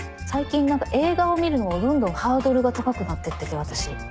最近なんか映画を見るのがどんどんハードルが高くなってってて私。